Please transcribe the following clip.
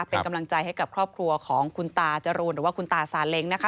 เป็นกำลังใจให้กับครอบครัวของคุณตาจรูนหรือว่าคุณตาซาเล้งนะคะ